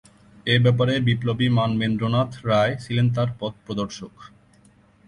এ ব্যাপারে বিপ্লবী মানবেন্দ্রনাথ রায় ছিলেন তার পথপ্রদর্শক।